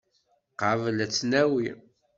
Qabel ad tt-nawi.